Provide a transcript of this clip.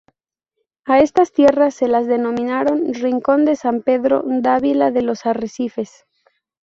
A estas tierras se las denominaron "Rincón de San Pedro Dávila de los Arrecifes".